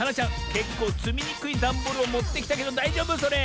けっこうつみにくいダンボールをもってきたけどだいじょうぶそれ？